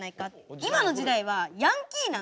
今の時代はヤンキーなんですよ。